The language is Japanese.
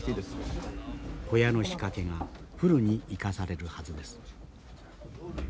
小屋の仕掛けがフルに生かされるはずです。